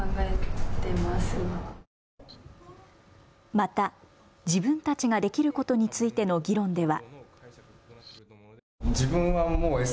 また、自分たちができることについての議論では。